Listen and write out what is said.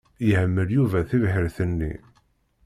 Yehmel Yuba tibḥirt-nni.